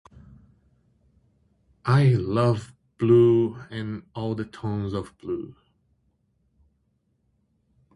I love blue and all the tones of blue.